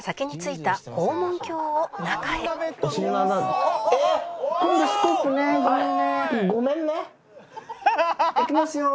いきますよ。